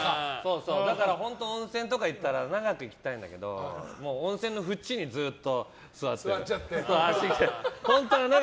だから本当、温泉とか行ったら長くいきたいんだけど温泉のふちにずっと座って。